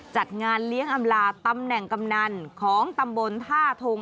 จำลาตำแหน่งกำนันของตำบลท่าทง